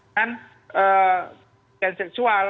kan pelesehan seksual